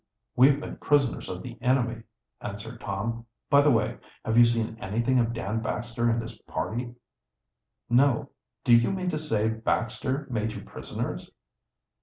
"We've been prisoners of the enemy," answered Tom. "By the way, have you seen anything of Dan Baxter and his party?" "No. Do you mean to say Baxter made you prisoners?"